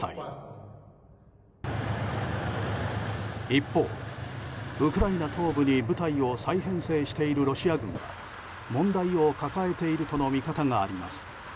一方、ウクライナ東部に部隊を再編制しているロシア軍は問題を抱えているとの見方があります。